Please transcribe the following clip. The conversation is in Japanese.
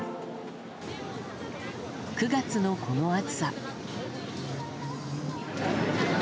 ９月の、この暑さ。